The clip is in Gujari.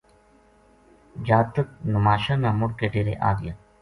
جاتک نماشاں نا مڑ کے ڈیرے آ گیا